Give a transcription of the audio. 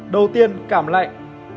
đầu tiên cảm lạnh